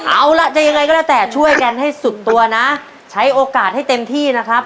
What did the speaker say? เอาล่ะจะยังไงก็แล้วแต่ช่วยกันให้สุดตัวนะใช้โอกาสให้เต็มที่นะครับ